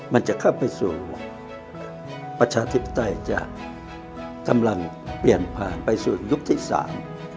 มันจะเข้าไปสู่ประชาธิปไตยจะกำลังเปลี่ยนผ่านไปสู่ยุคที่สาม